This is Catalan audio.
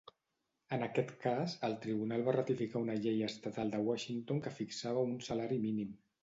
En aquest cas, el tribunal va ratificar una llei estatal de Washington que fixava un salari mínim.